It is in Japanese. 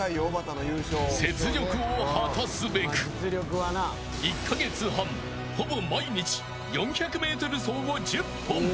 雪辱を果たすべく１カ月半、ほぼ毎日４００メートル走を１０本。